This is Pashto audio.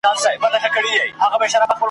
د پرواز فکر یې نه وو نور په سر کي `